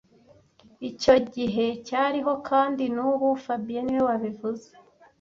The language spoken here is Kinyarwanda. Icyo gihe cyariho kandi nubu fabien niwe wabivuze